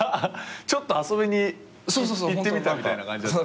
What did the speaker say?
ちょっと遊びに行ってみたみたいな感じ。